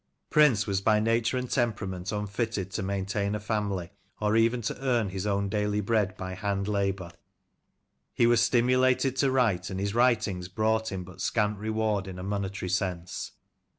Prince was by nature and temperament unfitted to main tain a family, or even to earn his own daily bread by hand labour. He was stimulated to write, and his writings brought him but scant reward in a monetary sense.